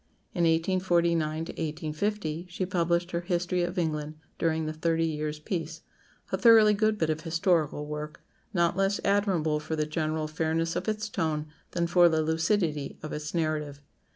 In 1849 1850 she published her "History of England during the Thirty Years' Peace," a thoroughly good bit of historical work, not less admirable for the general fairness of its tone than for the lucidity of its narrative.